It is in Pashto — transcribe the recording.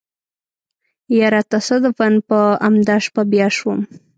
يره تصادفاً په امدا شپه بيا شوم.